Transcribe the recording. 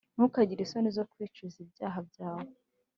Ntukagire isoni zo kwicuza ibyaha byawe,